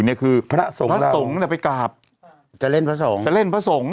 เนี่ยคือพระสงฆ์พระสงฆ์เนี่ยไปกราบจะเล่นพระสงฆ์จะเล่นพระสงฆ์